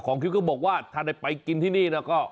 ของคิวก็บอกว่าถ้าในไปกินที่นี่นะก็